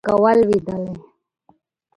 که ولوېدلې